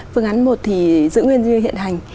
phương án một thì giữ nguyên như hiện hành